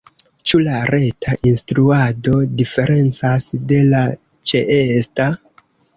Ĉu la reta instruado diferencas de la ĉeesta?